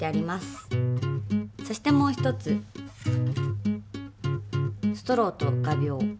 そしてもう一つストローと画びょう。